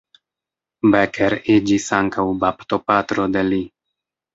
Becker iĝis ankaŭ baptopatro de li.